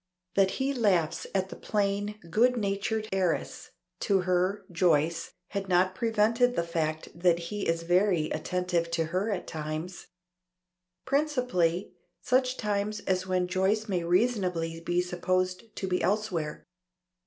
That he laughs at the plain, good natured heiress to her (Joyce), had not prevented the fact that he is very attentive to her at times. Principally such times as when Joyce may reasonably be supposed to be elsewhere.